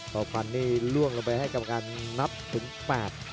ต่อฟันนี่ล่วงลงไปให้กรรมการนับถึงแปด